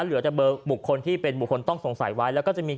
เหลือแต่เบอร์บุคคลที่เป็นบุคคลต้องสงสัยไว้แล้วก็จะมี